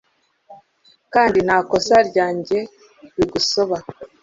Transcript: kandi nta kosa ryanjye rigusoba